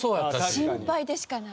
心配でしかない。